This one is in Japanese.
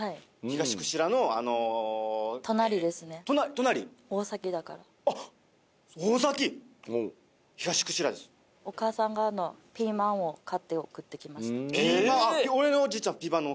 東串良ですお母さんがピーマンを買って送ってきましたピーマン！